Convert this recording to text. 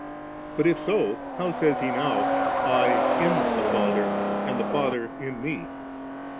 But if so, how says He now, ' I in the Father and the Father in Me*?'